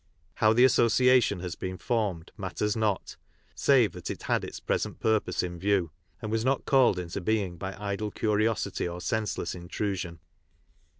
How the association has been formed matters not, save that it had its present purpose in view, and was not called into being by idle curiosity or senseless intrusion